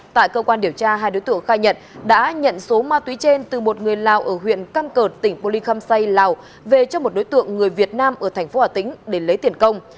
tại cơ quan điều tra hai đối tượng khai nhận đã nhận số ma túy trên từ một người lào ở huyện căm cờ tỉnh bồ lì khâm xây lào về cho một đối tượng người việt nam ở tp hà tĩnh để lấy tiền công